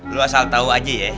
lu asal tahu aja ya